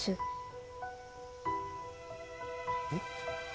えっ？